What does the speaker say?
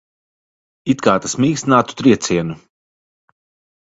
It kā tas mīkstinātu triecienu.